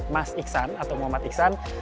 mas iksan atau muhammad iksan